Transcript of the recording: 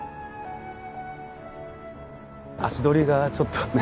足取りがちょっとねえ？